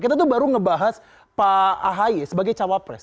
kita tuh baru ngebahas pak ahaye sebagai cawapres